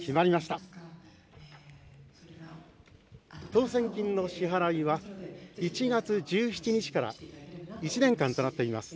当せん金の支払いは１７日から１年間となっています。